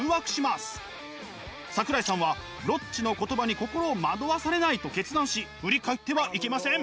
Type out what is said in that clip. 桜井さんは「ロッチの言葉に心を惑わされない」と決断し振り返ってはいけません。